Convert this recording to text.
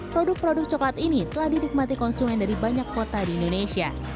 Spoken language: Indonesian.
produk produk coklat ini telah didikmati konsumen dari banyak kota di indonesia